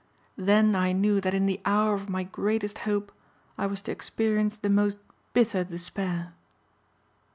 Then I knew that in the hour of my greatest hope I was to experience the most bitter despair."